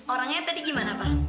orangnya tadi gimana pak